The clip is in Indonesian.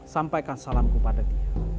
sampaikan salamku pada dia